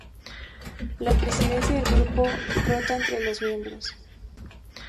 La presidencia del grupo rota entre los miembros.